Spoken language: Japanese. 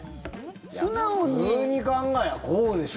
普通に考えりゃ、こうでしょ。